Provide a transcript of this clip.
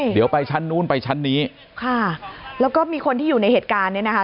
เดี๋ยวไปชั้นนู้นไปชั้นนี้ค่ะแล้วก็มีคนที่อยู่ในเหตุการณ์เนี่ยนะคะ